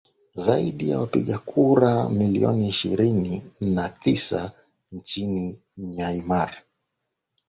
zaidi ya wapiga kura milioni ishirini na tisa nchi nyanmar